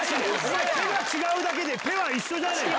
手が違うだけでぺは一緒じゃん。